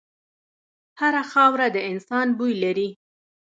هره خاوره د انسان بوی لري.